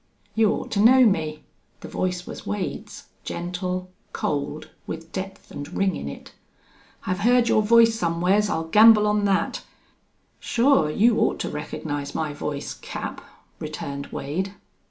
"You ought to know me." The voice was Wade's, gentle, cold, with depth and ring in it. "I've heerd your voice somewhars I'll gamble on thet." "Sure. You ought to recognize my voice, Cap," returned Wade.